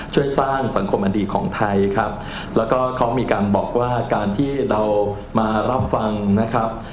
ช่วยสร้างสังคมอันดีของไทยครับแล้วก็เขามีการบอกว่าการที่เรามารับฟังนะครับ